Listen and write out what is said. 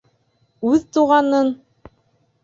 Үҙ туғанын?..